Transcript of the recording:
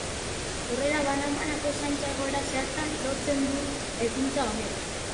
Horrela, banan-banako zaintza egoera zehatza lortzen du ekintza honek.